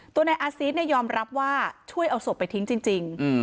นายอาซีสยอมรับว่าช่วยเอาศพไปทิ้งจริง